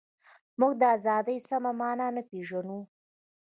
موږ د ازادۍ سمه مانا نه پېژنو.